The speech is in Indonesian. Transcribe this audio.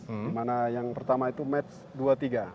dimana yang pertama itu match dua tiga